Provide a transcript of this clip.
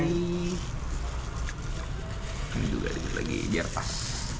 ini juga lagi biar pas